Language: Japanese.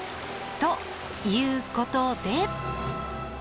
ということで。